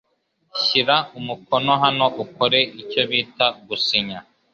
Shyira umukono hano ukore icyo bita gusinya .